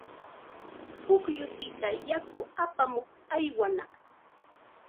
Pukyupita yaku apamuq aywanaq.